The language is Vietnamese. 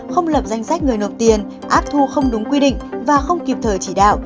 không lập danh sách người nộp tiền áp thu không đúng quy định và không kịp thời chỉ đạo